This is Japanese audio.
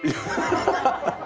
ハハハハ！